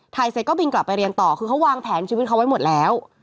เสร็จก็บินกลับไปเรียนต่อคือเขาวางแผนชีวิตเขาไว้หมดแล้ว